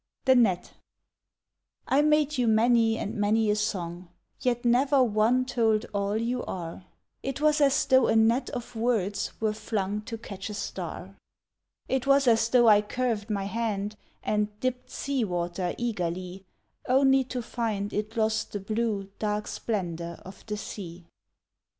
The Net I made you many and many a song, Yet never one told all you are It was as though a net of words Were flung to catch a star; It was as though I curved my hand And dipped sea water eagerly, Only to find it lost the blue Dark splendor of the sea.